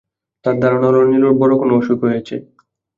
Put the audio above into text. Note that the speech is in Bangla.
তাঁর ধারণা হলো, নীলুর বড় কোনো অসুখ হয়েছে।